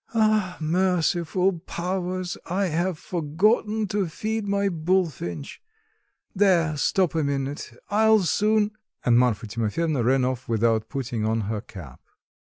Ah, merciful powers, I have forgotten to feed my bullfinch. There, stop a minute, I'll soon " And Marfa Timofyevna ran off without putting on her cap.